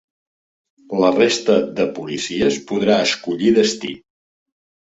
La resta de policies podrà escollir destí